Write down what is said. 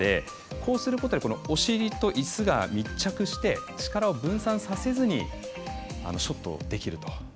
こうすることでお尻といすが密着して力を分散させずにショットできると。